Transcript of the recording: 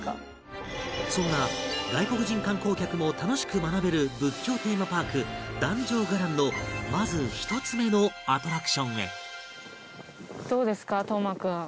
そんな外国人観光客も楽しく学べる仏教テーマパーク壇上伽藍のまず１つ目のアトラクションへ